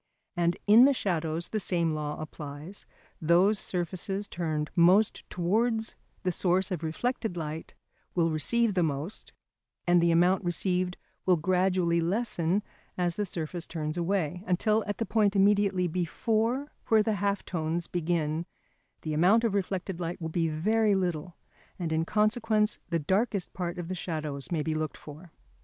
And in the shadows the same law applies: those surfaces turned most towards the source of reflected light will receive the most, and the amount received will gradually lessen as the surface turns away, until at the point immediately before where the half tones begin the amount of reflected light will be very little, and in consequence the darkest part of the shadows may be looked for.